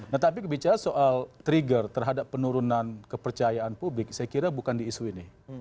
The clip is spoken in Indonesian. nah tapi bicara soal trigger terhadap penurunan kepercayaan publik saya kira bukan di isu ini